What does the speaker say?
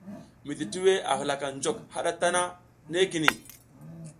Mititiwo a halaka njok haɗa tana nekini.